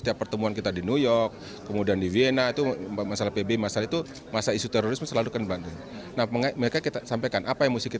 bapak komjen paul soehardi alius